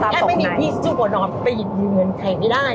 แค่ไม่มีพี่สุโปรดอลไปหยิบเงินใครไม่ได้